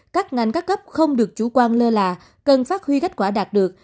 các ngành các cấp không được chủ quan lơ là cần phát huy kết quả đạt được